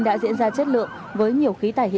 đấy là lễ trao giải